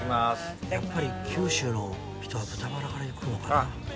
やっぱり九州の人は豚バラからいくのかな？